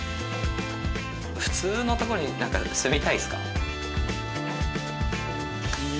普通の所に何か住みたいですか？